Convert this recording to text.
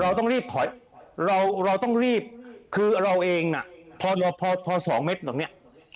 เราต้องรีบถอยเราต้องรีบคือเราเองนะพอ๒เมตรตรงเนี่ย